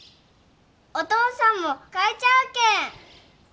お父さんも描いちゃあけん。